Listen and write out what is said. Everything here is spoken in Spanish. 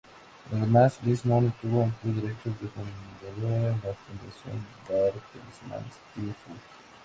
Además, Liz Mohn obtuvo amplios derechos de fundadora en la fundación Bertelsmann Stiftung.